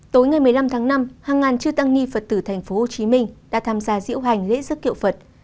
tối ngày một mươi năm tháng năm hàng ngàn chư tăng nghi phật tử tp hcm đã tham gia diễu hành lễ giấc kiệu phật